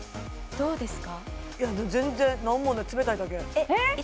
どうですか？